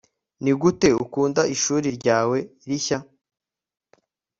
nigute ukunda ishuri ryawe rishya